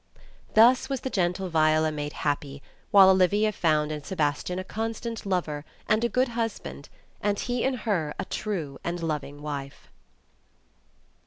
Thus was the gentle Viola made happy, while Olivia found in Se bastian a constant lover, and a good husband, and he in her a true and loving wife.